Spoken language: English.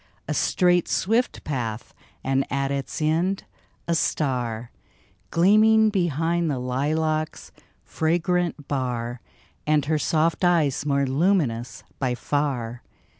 A straight, swift path — and at its end, a star Gleaming behind the lilac's fragrant bar, And her soft eyes, more luminous by far